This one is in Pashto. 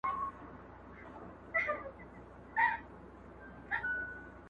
چيري ئې وهم، چيري ئې ږغ وزي.